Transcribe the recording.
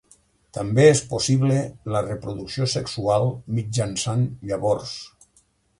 També és possible la reproducció sexual mitjançant llavors.